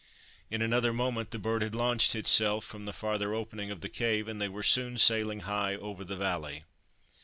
In another moment the bird had launched itself from the farther opening of the cave, and they were soon sailing high over the valley.